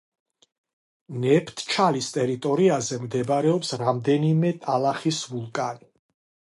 ნეფთჩალის ტერიტორიაზე მდებარეობს რამდენიმე ტალახის ვულკანი.